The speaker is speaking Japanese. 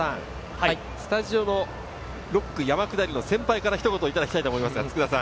スタジオの６区山下りの先輩からひと言いただきたいと思います、佃さん。